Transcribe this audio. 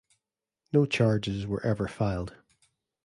No charges were ever filed.